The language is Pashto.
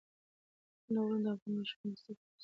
ستوني غرونه د افغان ماشومانو د زده کړې موضوع ده.